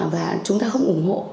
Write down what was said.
và chúng ta không ủng hộ